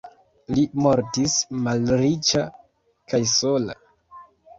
Li mortis malriĉa kaj sola.